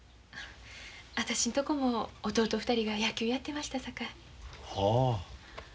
私のとこも弟２人が野球やってましたさかい。ほう。